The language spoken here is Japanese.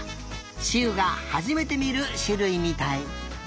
しうがはじめてみるしゅるいみたい。